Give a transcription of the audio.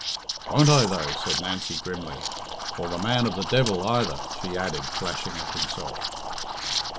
"Won't I, though?" said Nancy grimly, "or the man of the devil either," she added, flashing at himself.